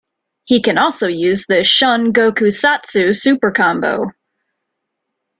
He can also use the "Shun Goku Satsu" Super Combo.